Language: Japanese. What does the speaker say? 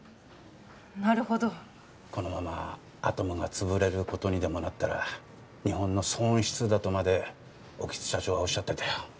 なるほどこのままアトムが潰れることにでもなったら日本の損失だとまで興津社長はおっしゃってたよ